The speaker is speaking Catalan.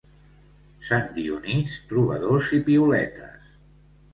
Sant Dionís, trobadors i piuletes.